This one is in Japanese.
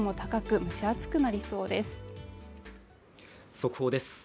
速報です。